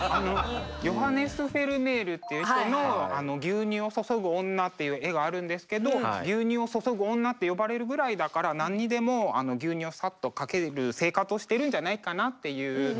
ヨハネス・フェルメールっていう人の「牛乳を注ぐ女」っていう絵があるんですけど「牛乳を注ぐ女」って呼ばれるぐらいだから何にでも牛乳をさっとかける生活をしてるんじゃないかなっていう。